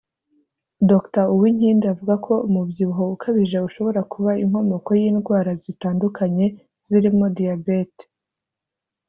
Dr Uwinkindi avuga ko umubyibuho ukabije ushobora kuba inkomoko y’indwara zitandukanye zirimo diyabete